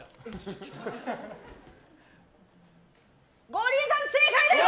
ゴリエさん、正解です！